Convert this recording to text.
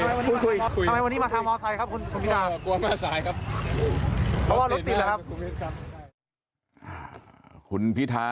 พูดคุยทำไมวันนี้มาคราวมอร์ไทค่ะคุณพิทาหลักติดหน้าคุณพิทาค่ะ